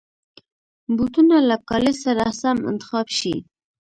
بوټونه له کالي سره سم انتخاب شي.